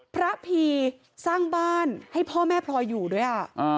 พระพีสร้างบ้านให้พ่อแม่พลอยอยู่ด้วย